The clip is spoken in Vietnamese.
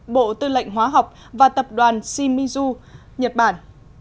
bộ tư lệnh hóa học và tập đoàn shimizu nhật bản